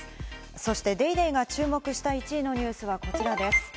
そして『ＤａｙＤａｙ．』が注目した１位のニュースはこちらです。